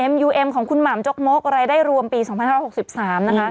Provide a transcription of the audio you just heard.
ยูเอ็มของคุณหม่ำจกมกรายได้รวมปี๒๕๖๓นะคะ